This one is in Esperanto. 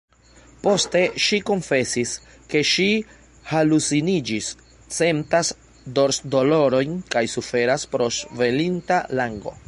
Poste ŝi konfesis, ke ŝi haluciniĝis, sentas dorsdolorojn kaj suferas pro ŝvelinta lango.